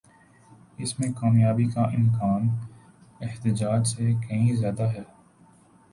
اس میں کامیابی کا امکان احتجاج سے کہیں زیادہ ہے۔